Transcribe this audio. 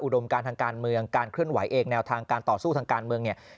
มการทางการเมืองการเคลื่อนไหวเองแนวทางการต่อสู้ทางการเมืองเนี่ย